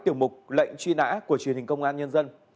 tiểu mục lệnh truy nã của truyền hình công an nhân dân